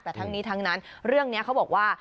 แต่ทั้งนี้ทั้งนั้นเรื่องนี้เขาบอกว่า